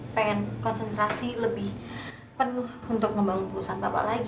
pengen konsentrasi lebih penuh untuk membangun perusahaan bapak lagi